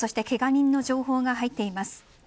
けが人の情報が入っています。